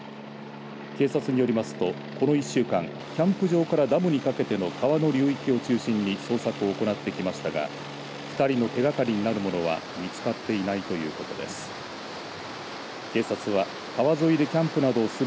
警察によりますと、この１週間キャンプ場からダムにかけての川の流域を中心に捜索を行ってきましたが２人の手がかりになるものは見つかっていないということです。